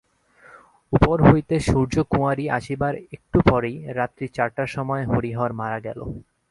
উপর হইতে সূরযকুঁয়ারী আসিবার একটু পরেই রাত্রি চারটার সময় হরিহর মারা গেল।